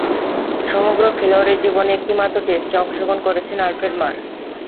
সমগ্র খেলোয়াড়ী জীবনে একটিমাত্র টেস্টে অংশগ্রহণ করেছেন আলফ্রেড মার।